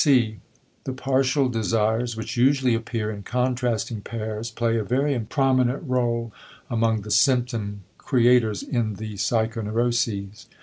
(c) The partial desires which usually appear in contrasting pairs play a very prominent rôle among the symptom creators in the psychoneuroses.